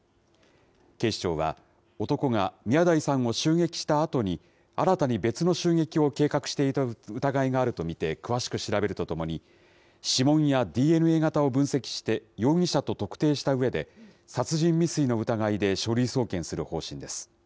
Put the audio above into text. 警視庁は、男が宮台さんを襲撃したあとに、新たに別の襲撃を計画していた疑いがあると見て詳しく調べるとともに、指紋やＤＮＡ型を分析して容疑者と特定したうえで、殺人未遂の疑いで書類送検する方針です。